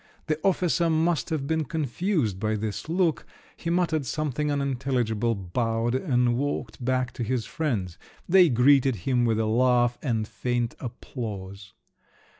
The officer must have been confused by this look; he muttered something unintelligible, bowed, and walked back to his friends. They greeted him with a laugh, and faint applause.